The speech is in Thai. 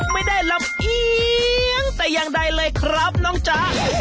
ไม่ได้ลำเอียงแต่อย่างใดเลยครับน้องจ๊ะ